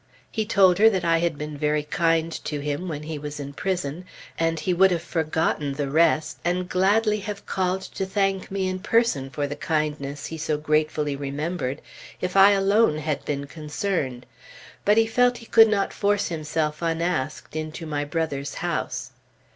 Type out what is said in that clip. He told her that I had been very kind to him when he was in prison, and he would have forgotten the rest and gladly have called to thank me in person for the kindness he so gratefully remembered, if I alone had been concerned; but he felt he could not force himself unasked into my brother's house....